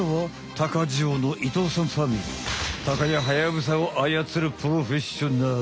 タカやハヤブサをあやつるプロフェッショナル。